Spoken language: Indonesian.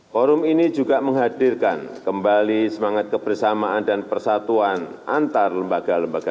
forum ini juga menghadirkan kembali semangat kebersamaan dan persatuan antar lembaga lembaga